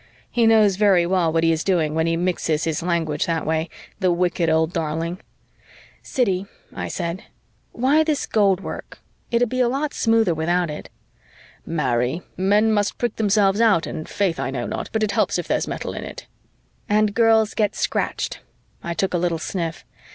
He knows very well what he is doing when he mixes his language that way, the wicked old darling. "Siddy," I said, "why this gold work? It'd be a lot smoother without it." "Marry, men must prick themselves out and, 'faith I know not, but it helps if there's metal in it." "And girls get scratched." I took a little sniff.